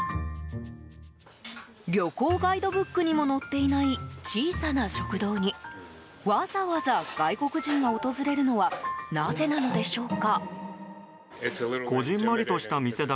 旅行ガイドブックにも載っていない小さな食堂にわざわざ外国人が訪れるのはなぜなのでしょうか。